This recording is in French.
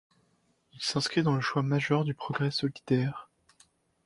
Il s’inscrit dans le choix majeur du progrès solidaire.